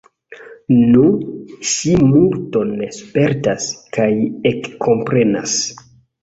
Nu, ŝi multon spertas, kaj ekkomprenas.